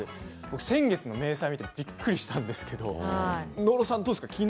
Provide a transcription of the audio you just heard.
先月の明細を見てびっくりしたんですけど野呂さん、どうですか？